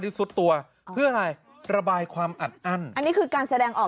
ซุดตัวเพื่ออะไรระบายความอัดอั้นอันนี้คือการแสดงออก